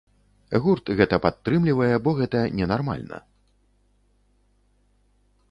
Гурт гэта падтрымлівае, бо гэта ненармальна.